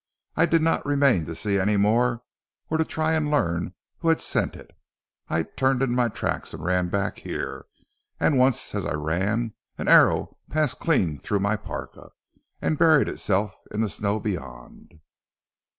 I did not remain to see any more, or to try and learn who had sent it. I turned in my tracks and ran back here, and once as I ran an arrow passed clean through my parka, and buried itself in the snow beyond."